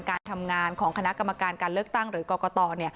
การทำงานของคณะกรรมการการเลือกตั้งหรือกรกต